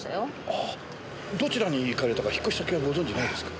ああどちらに行かれたか引っ越し先はご存じないですか？